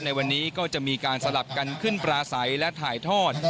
ในวันนี้ก็จะมีการสลับกันขึ้นปลาใสและถ่ายทอด